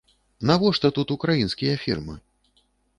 Навошта тут украінскія фірмы?